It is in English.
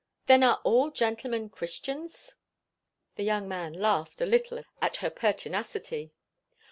"Then are all gentlemen Christians?" The young man laughed a little at her pertinacity.